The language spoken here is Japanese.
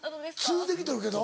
「つできとるけど」？